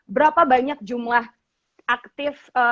berapa banyak jumlah aktif